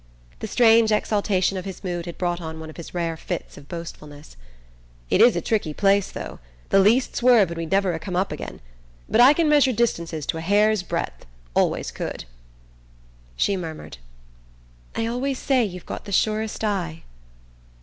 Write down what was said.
The strange exaltation of his mood had brought on one of his rare fits of boastfulness. "It is a tricky place, though. The least swerve, and we'd never ha' come up again. But I can measure distances to a hair's breadth always could." She murmured: "I always say you've got the surest eye..."